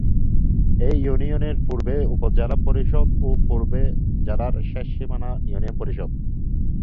এই ইউনিয়নের পূর্বে উপজেলা পরিষদ ও পূর্বে জেলার শেষ সীমানা ইউনিয়ন পরিষদ।